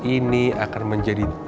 ini akan menjadi tanda